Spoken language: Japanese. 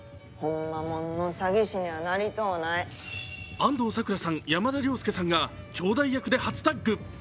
安藤サクラさん、山田涼介さんがきょうだい役で初タッグ。